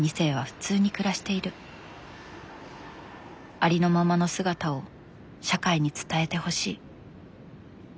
「ありのままの姿を社会に伝えてほしい」。